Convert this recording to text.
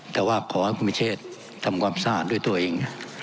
แต่ว่าขอให้คุณพิเชษทำความสะอาดด้วยตัวเอง